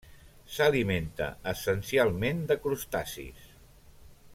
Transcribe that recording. S'alimenta essencialment de crustacis.